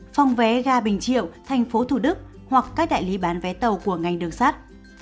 hành triệu thành phố thủ đức hoặc các đại lý bán vé tàu của ngành đường sắt